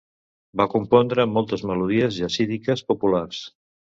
Va compondre moltes melodies jasídiques populars.